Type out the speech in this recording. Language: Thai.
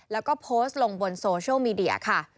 แล้วก็โพสต์ลงบนโซเชียลมีเดียค่ะ